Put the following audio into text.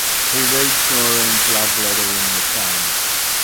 He reads Noreen’s love letter in the train.